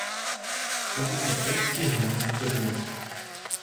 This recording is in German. Er wird seit recht vielen Jahren gewährt.